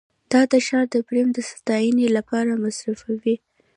دا د ښار د برم د ستاینې لپاره مصرفوي